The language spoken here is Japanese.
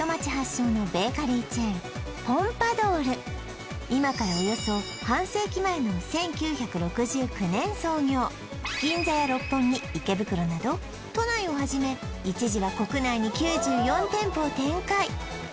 そう今からおよそ半世紀前の１９６９年創業銀座や六本木池袋など都内をはじめ一時は国内に９４店舗を展開